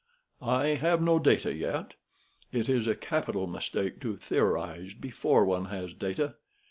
"I have no data yet. It is a capital mistake to theorize before one has data.